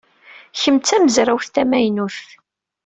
Kemm d tamezrawt tamaynut?